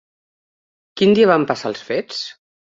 Quin dia van passar els fets?